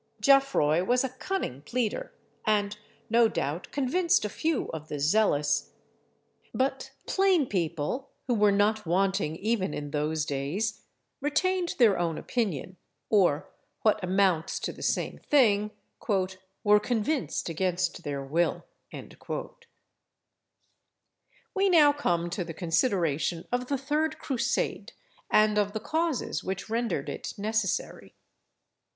Geoffroi was a cunning pleader, and, no doubt, convinced a few of the zealous; but plain people, who were not wanting even in those days, retained their own opinion, or, what amounts to the same thing, "were convinced against their will." We now come to the consideration of the third Crusade, and of the causes which rendered it necessary.